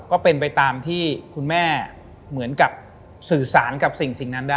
ก็เป็นไปตามที่คุณแม่เหมือนกับสื่อสารกับสิ่งนั้นได้